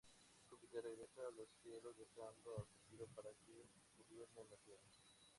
Júpiter regresa a los cielos dejando a Cupido para que gobierne la tierra.